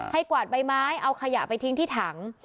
กวาดใบไม้เอาขยะไปทิ้งที่ถัง